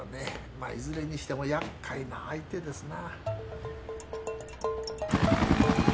まいずれにしてもやっかいな相手ですな。